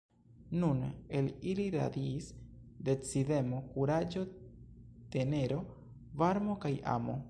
Nun el ili radiis decidemo, kuraĝo, tenero, varmo kaj amo.